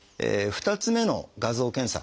２つ目の「画像検査」。